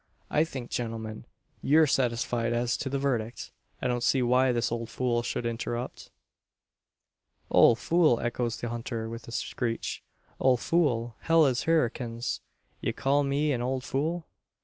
I think, gentlemen, you're satisfied as to the verdict. I don't see why this old fool should interrupt " "Ole fool!" echoes the hunter, with a screech; "Ole fool! Hell an herrikins! Ye call me an ole fool?